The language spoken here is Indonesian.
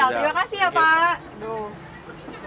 pak afrizal terima kasih ya pak